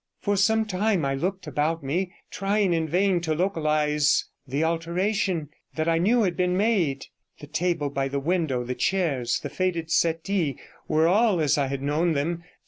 For some time I looked about me, trying in vain to localize the alteration that I knew had been made; the table by the window, the chairs, the faded settee were all as I had known them.